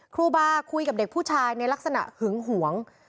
ครูบาคุยกับเด็กผู้ชายในลักษณะหึงหวง